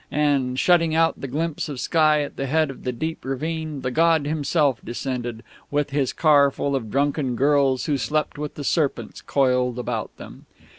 And, shutting out the glimpse of sky at the head of the deep ravine, the god himself descended, with his car full of drunken girls who slept with the serpents coiled about them.